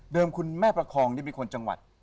เดิมคุณแม่ประคองได้มีคนจังหวัด